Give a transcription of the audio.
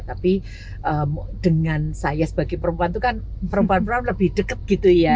tapi dengan saya sebagai perempuan itu kan perempuan perempuan lebih deket gitu ya